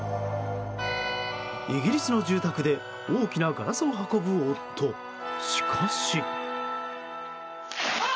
イギリスの住宅で大きなガラスを運ぶ夫、しかし。